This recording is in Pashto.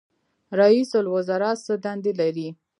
رئیس الوزرا څه دندې لري؟